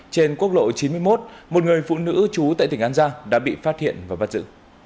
trên quốc lộ chín mươi một một người phụ nữ trú tại tỉnh an giang đã bị phát hiện và bắt giữ